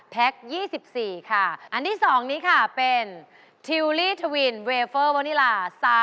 ๒๔ค่ะอันที่๒นี้ค่ะเป็นทิวลี่ทวินเวเฟอร์โวนิลา